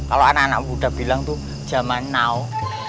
kalo anak anak muda bilang tuh jaman now